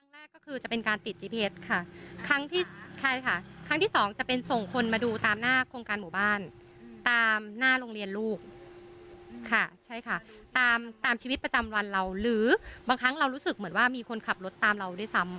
แล้วโดนโค้ยตามรถตามเราด้วยซ้ำ